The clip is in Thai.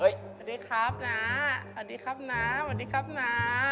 สวัสดีครับน้าสวัสดีครับน้าสวัสดีครับน้า